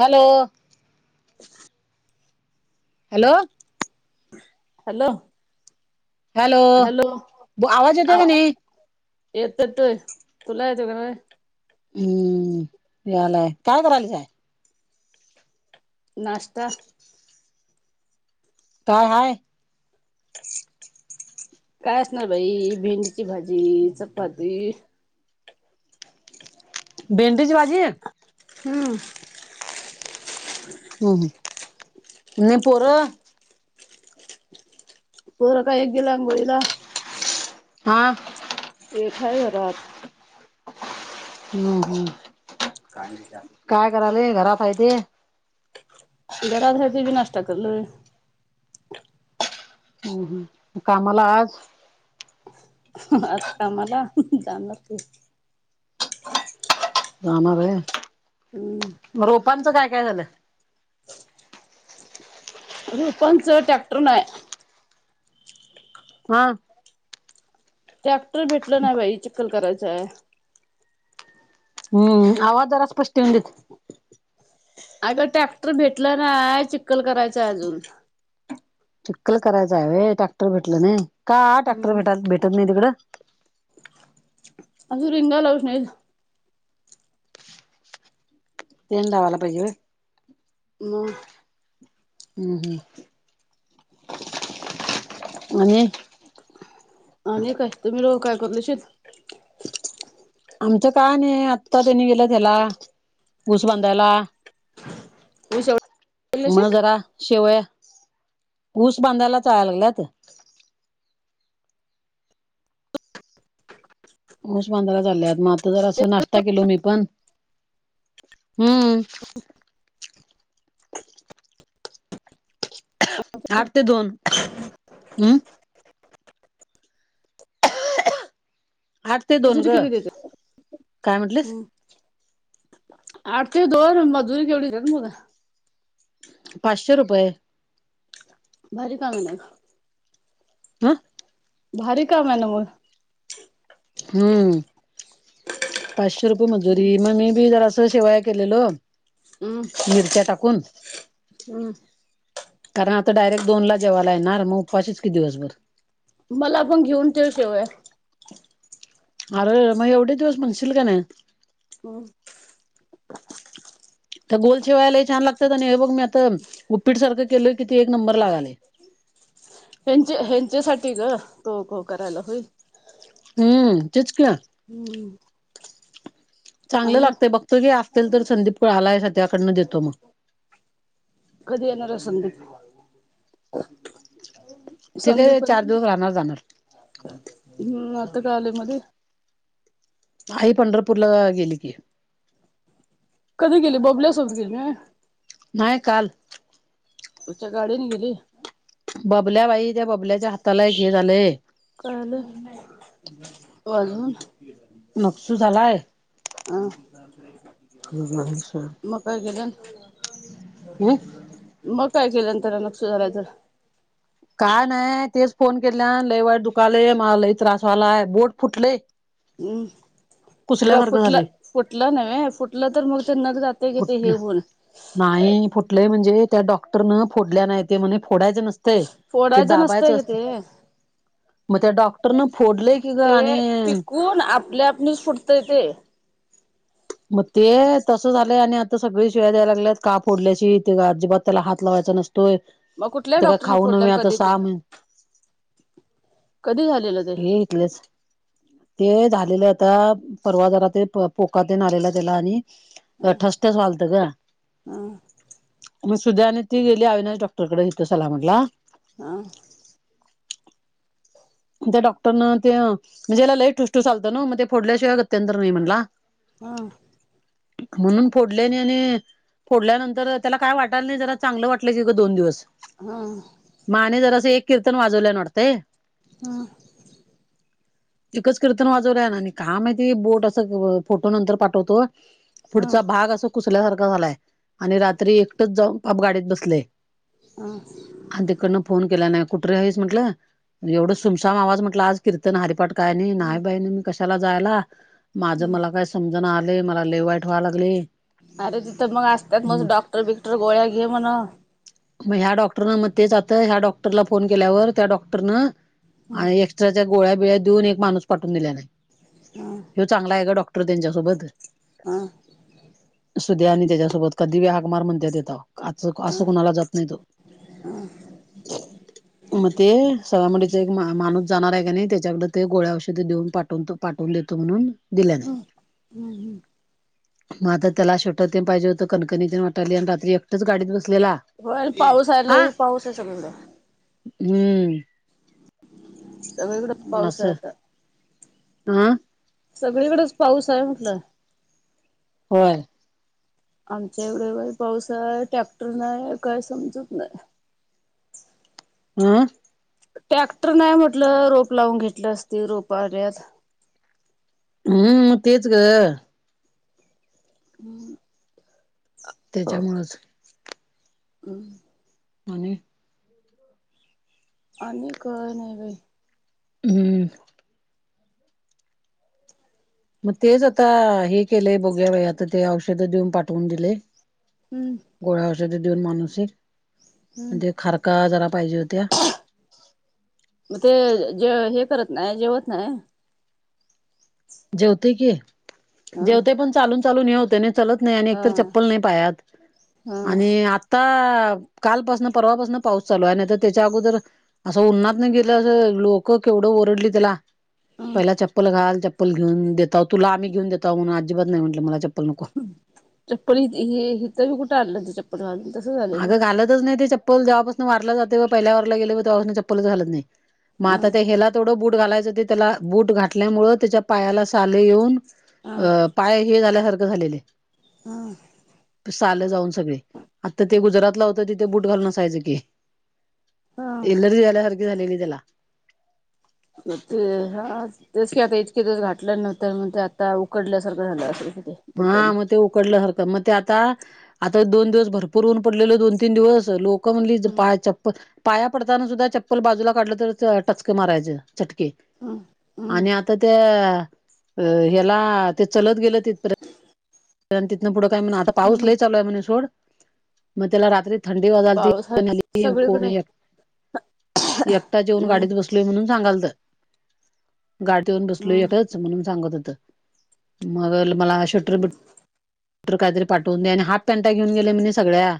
Hello. ह. Hello. Hello hello. आवाज येतोय का नाही येतेत तुला यच हम्म यालाय काय करा आलीच आहे. नाश्ता. काय हय. काय असणार भाई भेंडीची भाजी चपाती बेंडेज बाजीे हम्म. ह न पोर. पूर काय ह गला अंगळीला हा. एकय घरज हम्म हम् काय कराले घरातह ते गराधय ते भी नाश्ता करलंोय ह ह कामाला आज आ का मला जाणव. जाणार आहे हम्म मग रोपांचं काय काय झालं? रोपांच ट्रॅक्टर नाही. हा. टॅक्टर भेटलं नाही बाई चिकक्कल करायचय. हम्म आवाजार स्पष्ट येऊन देत. अगं ट्रॅक्टर भेटलं नाही चिक्कल करायचं अजून चिक्कल करायचं आहेय टॅक्टर भेटलं नाही का टॅक्टर भट भेटत नाही तिकडं. असं रिंगा लावच नाही. तेल लावायला पाहिजे होय. मग हम हम आणि आणि काय तुम्ही लोक काय करू शित? आमच काय नाही आत्ताच नेल त्याला ऊस बांधायला‌. ऊस एवढा केला म शेत जरा शेवया ऊस बांधायला चाळायला गेला ते ऊसमांजरा झाल्यात मग आता जरास नाश्ता केलो मी पण हम्म आठ ते दोन हम आठ ते दोन अजुन ग किती देत काय म्हटलेस हम आठ‌ ते दोन मजुरी केेवढी मुल [unintelligible] पाचशे रुपये भारी काम नाही. हं भारी काम आहे न मग हम्म पाचशे रुपये मजुरी मग मी बी जरास शेवाया केलेलो- हम्म मिरच्या टाकुन हम्म कारण आता डायरेक्ट दोनला जेवायला येणार मग उपाशीच की दिवसभर मला पण घेऊन ठेव शेवया अरे मग एवढे दिवस म्हणशील का नाही. हं त्या गोल शेवाया लय छान लागतात आणि हे बघ मी आता उपीट सारख केल कि ते एक नंबर लागायल. ह्यांचे ह्यांचेसाठी ग तो करायला होईल. हम्म तेच की ना हम्म चांगल आणि लागतय बघतो की असतील तर संदीप आलायस त्याकडन देतो मग कधी येणार आहे संदीप? ते काय संधीप चार घरी दिवस राहणार जाणार हम्म आताच आले मध्ये आई पंढरपुरला गेली की कधी गेली बबल्यासोबत गेली काय नाही काल तुच्या गाडीने गेली बबल्या बाई त्या बबल्याच्या हाताला एक हे झालेय काय झाल आजुन नक्सु झालाय भर गलेन [unintelligible] हम मग काय केल नंतर नक्सु झाला तर काय नाही तेच फोन केल्या लई वाईट दुखाले मला लई त्रास व्हायला बोट फुटलेय हम् ग फुटल झालय फुटल नव्हे फुटल तर मग ते नख जाते कि ते हे बघते होऊन नाही फुटलय म्हणजे त्या डॉक्टरन फोडल्या नाही ते म्हणे फोडायच नसत ते ते फोडायचं दाबायच नसतंय कि ते मग त्या डॉक्टरन फोडलय की ग आणि कोण आपल्यात न्यूज फुटतय ते. मग ते तसं झालंय आणि आता सगळी शिव्या द्यायला लागल्यात का फोडल्यास हे त्याचं अजिबात. त्याला हात लावायचा नसतोय. मग कुठल्या ते काय डॉक्टरनी खाऊ फोडल्या नव्हे आता कधी ते साम कधी झालेलं. ते हे, येस ते झालेलं आता परवा जरा ते पोकात पेन आलेला त्याला आणि. ठसठस वालत ग. ह मग सुद्या आणि ती गेली अविनाश डॉक्टरकडे इथं सलाम म्हटला. हा, त्या डॉक्टरन ते म्हणजे याला लई ठुसठूस ना मग ते फोडल्याशिवाय गत्यतर नाही म्हणला. हा, म्हणून फोडल्याने आणि. फोडल्यानंतर त्याला काय वाटायला नाही जरा चांगलं वाटलं कीं दोन दिवस. हा, मा आणि जरासं एक कीर्तन वाजवल्या वाटतेय. हा, एकच कीर्तन वाजव ना आणि का म्हणते बोट असं फोटो नंतर पाठवतो. ह पुढचा भाग असा कुसल्यासारखा झालाय आणि रात्री एकटच जाऊन आप गाडीत बसलय. हा, आणि तिकडनं फोन केला नाही कुठरे आहेस म्हटलं एवढं सुमसाम आवाज म्हटला आज. कीर्तन हरिपाठ काय नाही नाही बाई मी कशाला जायला माझं मला काय सु ''--'' समजण आले मला लय वाईट व्हा लागलय. अरे तिथं मग असतात म डॉक्टर बिकटर गोळ्या घे म्हणव. मग ह्या डॉक्टरन मग तेच ह्या डॉक्टरला फोन केल्यावर त्या डॉक्टरन आहे एक त्याच्या गोळ्या बिळ्या देऊन एक माणूस पाठवून दिला नाही ह चांगला आहे ग डॉक''--'' क्टर त्यांच्यासोबत. हा, सध्या आणि त्याच्यासोबत कधी बी हाक मार म्हणतय तिथं. आ अस कुणाला जात नाही ते मग ते. सगामुडीच एक मा माणूस जाणार आहे का नाही त्याच्याकड ते गोळ्या औषधी देऊन पाठवतो पाठवून देतो म्हणून. दिल्या नाहीत. मग आता त्याला छोटं ते पाहिजे होतं कणकणीतेण वाटाली आणि रात्री एक. तिथेच गाडीत बसलेला होय पाऊस आला हा पाऊस आहे सगळीकडे हम्म. सगळीकडं पाऊस आहे आता. हा, सगळीकडेच पाऊस आहे म्हटलं. होय. आमच्या तिकडं बाई पावसाळा टॅक्टर नाही काय समजत नाही. ''आं'' टॅक्टर नाही म्हटलं रोप लावून घेतलं असती रोप आल्यात. हम् म तेच ग. हम्म. त्याच्यामुळंच. हम्. आणि. आणि काय नाही बाई. हम्म. मग तेच आता हे केले बघूया बाई आता ते औषध देऊन पाठवून दिले. हम्म. गोड औषध देऊन मनूसिक हम्म म्हण ते खारका जरा पाहिजे होत्या. मग ते जे हे करत नाही जेवत नाही. जेवते की हा जेवते पण चालून चालून हे होते ना. त नाही हा एक चप्पल नाही पायात हा आणि आता कालपासन परवापासन पाऊस चालू आहे नाही तर त्याच्या अगोदर असं उननात नाही गेलं अस लोक केवढं ओरडली त्याला. ह पहिला चप्पल घाल चप्पल घेऊनेतता तुला आम्ही घेऊन देतो म्हणून अजिबात नाही म्हटलं मला चप्पल. नको चप्पल ह ह तर हीत बी कुट आणलं ते चप्पल घालून तसेच आणलं. अगं घालतच नाही ते चप्पल. चप्पल जेव्हापासून वारीला जाते व पहिल्या वारीला गेले व तेवपून चप्पलच घालत नाही म आता ह ते हेेला. तेवडं बूट घालायचं ते त्याला बूट घाटल्यामुळ त्याच्या पायाला साले येऊन ह अ पाय हे झाल्यासारखं झालेले ह साल जाऊन सगळे. आता ते गुजरातला होत तीथ बूट घालून असायचं की. ह एलर्जी झाल्यासारखे झाली की त्याला. मग तेव्हा. [unintelligible] तेच की आता इतके दिवस घातल्या नंतर मगज आता उकडल्यासारखं झालं असें कि. हा बुटाने मग ते उकडलं सारखं मग ते. ता आता दोन दिवस भरपूर ऊन पडलेल दोन तीन दिवस लोकं म्हणली हम्म पायात चप्पल पाया पडताना सुद्धा चप्पल बाजूला काढलं तर टचके मारायचं. चटके हम्म हम्म आणि आता त्या अ ह्याला ते चलत गेलं तिथपर्यंत तिथनं पुढं काय म्हणा आता पाऊस हम्म लई चालू आहे म्हणे सोड मग त्याला रात्री. थंडी वाजाल त पाऊस आहे सगळीकडे कोणी एकटा जेऊन हम्म गाडीत बस. ल म्हणून सांगाल तर गाडीवरन बसलोय हम्म एक म्हणून सांगत होत मग मला शटर काही तरी पाठवून द्या आणि हाफ पॅनटा घेन गेले मी सगळ्या.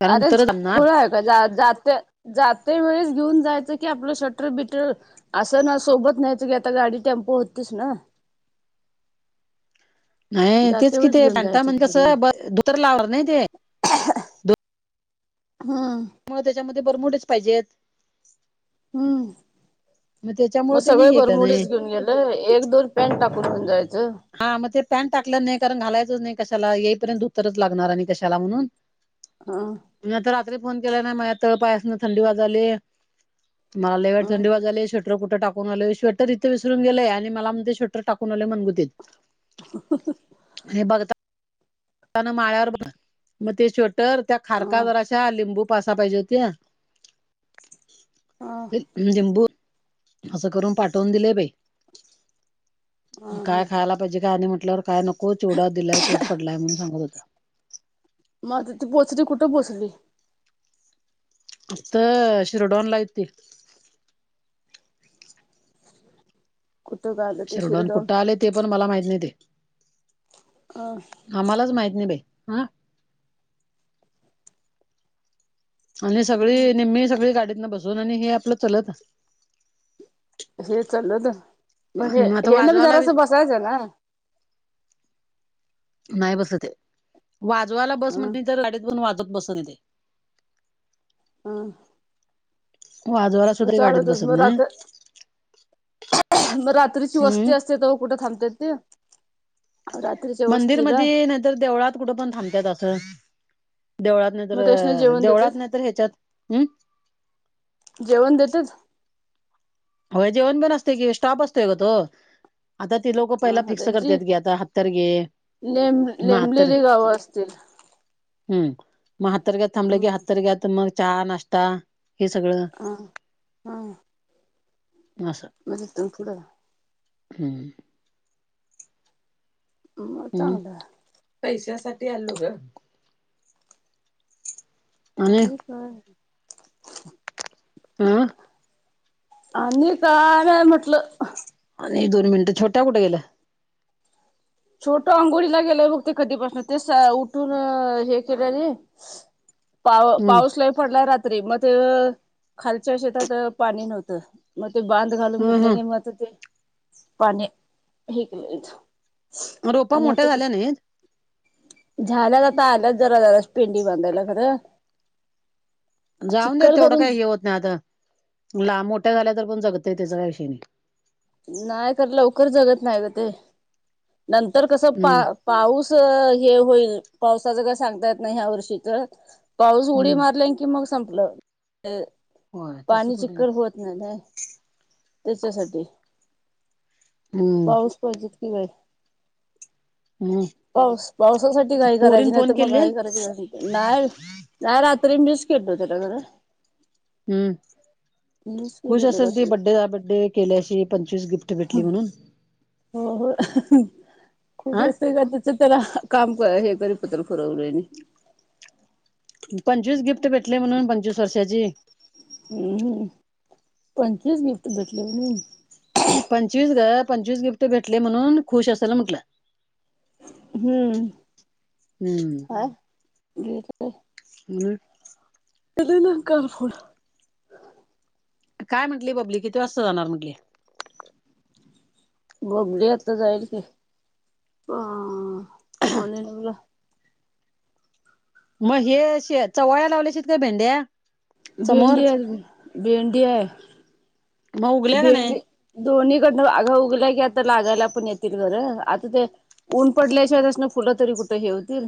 कारण अरेच तरच आणणार खोळा आहे. जाते जाते वेळेस घेऊन जायचं की आपलं शटर बिटर असं ना सोबत नाहीच की आता गाडी टेम्पो होतीच ना. नाही तेच जाते किथ वेळेस घेऊन पॅता जायचं म्हण की त्यांना कसं ब धुतर लावणार नाही ते. हम्म. मग त्याच्यामध्ये बरमुडेच पाहिजेत. हम्म मग त्याच्यामुळे त्यानी सगळे हे केलं नाही भरमडीच घेऊन गेल. एक दोन पॅन्ट टाकून घेवून जायचं. हा मग ते पॅन्ट टाकलं नाही कारण घालायच नाही कशाला येईपर्यंत धोतरच लागणार आणि कशाला म्हणून. [inaudible] हां. म आता रात्री फोन केला ना माझ तळ पायास ना थंडी वाजाले. मला लय वाईट हं थंडी वाजायला स्वेटर ट कुठं टाकूनले शवेटर इथे विरून गेलेय आणि मला म ते शवेटर टाकूनलेणगुतील [unintelligible] ह. हे बघता माळ्यावर मग ते श्वेटर त्या खारका हं वर लिंबू पासहा पाहिजे होते, हं लिंबू. असं करून पाठवून दिले बई, हं काय हं खायला पाजेय आणि म्हटल्यावर काय नको चोवडा दिलाय तोच पडलाय म्हणून सांगत होता‌. मग आता ती पोचली कुठं पोचली? इथं शिरडून लाय ती. [inaudible] कुठकाल. शिरडून कुठं आल ते पण मला माहित नाही ते. अ. आम्हालाच माहित नाही बाई, हा. आणि हं सगळी निम्मी सगळी गाडीतन बसून आणि हे आपलं चलत. हे चालत, मग हे आता हे न बी वाजवायला जरास बसायचं ना. नाही बसत ते, वाजवायला अ बस म्हणली अ तर गाडीत बसून वाजत बस ते. हां. वाजवाय मग चालतच मग रात. मग रात्रीची वस्ती हम्म असते तेव्हा कुठे थांबतात ती. मंदिरमधी नाहीतर देवळात कुठं पण थांबतात अस. देवळात नाही तर मग त्यासनी जेवण देवळात नाही देतात तर ह्याच्यात हम्. जेवण देतेच. होय जेवण बण असतय की स्टॉप असतोय ग तो. आता ते लोक पहिला ह फिक्स करतात गी आता हत्तर गे. ते नेमलेली गावं असतील. हम् मग हत्तरग्यात थांबलं ह गे हत्तरग्यात मग चहा नाष्टा हे सगळं. हां हां. मा सं. म तिथून पुढ. हम्म. मग हम्, चांगलं पैशासाठी आलो ग. आणि काय? आ. आणि काय [unintelligible] म्हटलं आणि दोन मिनटं छोट्या कुठ गेलं. छोटू आंघोळीला गेलाय बघते कधीपासून ते उठून हे केलं रे. [inaudible] पाव हम्म पाऊस लई पडलाय रात्री मग ते खालच्या शेतात पाणी नव्हतं. मग ते बांध घालून हम हम घेतल्याने मग ते, पाणी हे केलीत. रोपा मोठ्या झाल्या नाही. झाल्यात आता आल्यात जरा पेंडी बांधायला खरं. जाऊन देत चिक्कल तेवढं करून काही हे होत नाही आता, लांब मोठ्या झाल्या तर पण जगत त्याचा काही विषय नाही. नाही तर लवकर जगत नाही ग ते, नंतर कसं पा हम्म पाऊस हे होईल पावसाच काय सांगता येत नाही ह्या वर्षी तर. पाऊस उडी हम्म मारला की मग संपलं होय तसं पाणी थोडी ना चिककड होत नाही नाही त्याच्यासाठी हम्म पाऊस पाहिजे कि बाय हम् पाऊस पावसासाठी घाई करायची पोरीन नाही फोन तर मग केले घाई करायची ग. नाही नाही रात्री मिस केडत घरड हम्म रात बर््डे केल्याशी पंचवीस गिफ्ट भेटली म्हणून हो हो खुश हा अस कर. तर त्याला काम हे कर पत्र फरवलं नाही. पंचवीस गिफ्ट भेटले म्हणून पंचवीस वर्षाची हम् पणचेच गिफ्ट भेटले. पंचवीस ग पंचवीस गिफ्ट भेटले म्हणून खुश असायला म्हटलं. हम्म हम्म हा ह त ना कर फड काय म्हटली बबली किती असं जाणार म्हटली. बबडी आता जाईल की ह पाणी लावला. मग हे चवळ्या लावल्याश का भेंड्या समोर भेंडी आहे भेंडी मग आहे उगल्या का नाही भेंडी दोन्कडनं आगा उगल्या की आता लागायला पण येतील घरं आता ते ऊन पडल्याशिवायच ना फुलं तरी कुठं हे होतील.